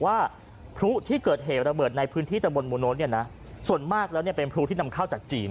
ว่าผู้ที่เกิดเหรอบริเวร์ดในพื้นที่ตระบนมูลน้สส่วนมากแล้วเป็นผู้ที่นำข้าวจากจีน